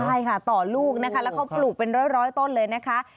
ใช่ค่ะต่อลูกนะคะแล้วเขาปลูกเป็นร้อยต้นเลยนะคะ